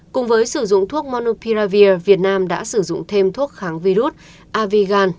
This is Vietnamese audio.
cùng với sử dụng thuốc monopiravir việt nam đã sử dụng thêm thuốc kháng virus avigan